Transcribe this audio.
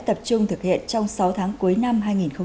tập trung thực hiện trong sáu tháng cuối năm